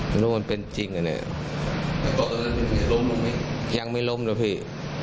หนูมันเป็นจริงยังไม่ล้มหรือพี่